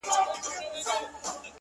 لوړ دی ورگورمه. تر ټولو غرو پامير ښه دی.